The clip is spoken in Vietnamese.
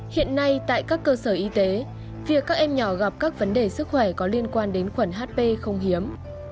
hiện nay tại các cơ sở y tế việc các em nhỏ gặp các vấn đề sức khỏe có liên quan đến khuẩn hp không hiếm